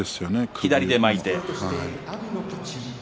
左で巻いて。